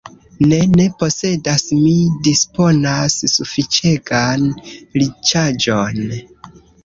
Ne, ne posedas, mi disponas sufiĉegan riĉaĵon.